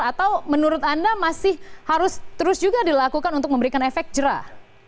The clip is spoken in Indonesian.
atau menurut anda masih harus terus juga dilakukan untuk memberikan efek jerah